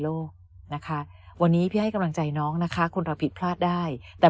โลกนะคะวันนี้พี่ให้กำลังใจน้องนะคะคนเราผิดพลาดได้แต่